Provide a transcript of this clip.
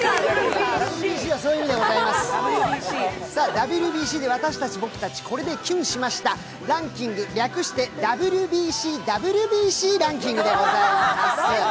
ＷＢＣで私たち・僕たち、これでキュンしましたランキング、略してＷＢＣランキングでございます。